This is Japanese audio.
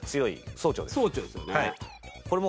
総長ですよね。